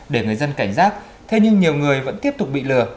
để người dân cảnh giác thế nhưng nhiều người vẫn tiếp tục bị lừa